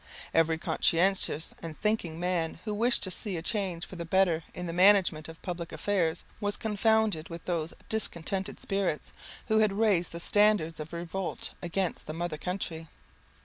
Every conscientious and thinking man who wished to see a change for the better in the management of public affairs, was confounded with those discontented spirits, who had raised the standard of revolt against the mother country.